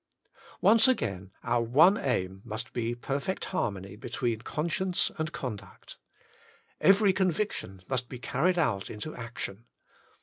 Once again, our one aim must be perfect har mony between conscience and conduct. Every conviction must be carried out into action.